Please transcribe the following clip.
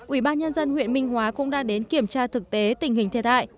ubnd huyện minh hóa cũng đã đến kiểm tra thực tế tình hình thiệt hại